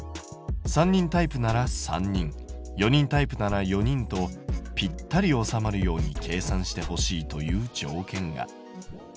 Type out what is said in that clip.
３人タイプなら３人４人タイプなら４人とぴったり収まるように計算してほしいという条件が。